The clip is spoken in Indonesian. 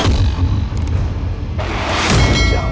hamba sudah berjalan